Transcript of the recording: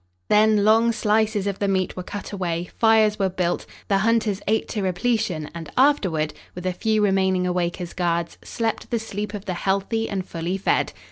Then long slices of the meat were cut away, fires were built, the hunters ate to repletion and afterward, with a few remaining awake as guards, slept the sleep of the healthy and fully fed.